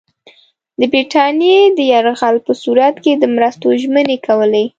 د برټانیې د یرغل په صورت کې د مرستو ژمنې کولې.